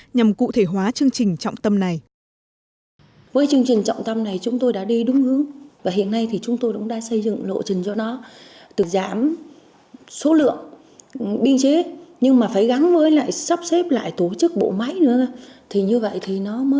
nhằm cụ thể hóa chương trình trọng tâm này